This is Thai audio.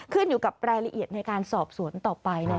ขึ้นอยู่กับรายละเอียดในการสอบสวนต่อไป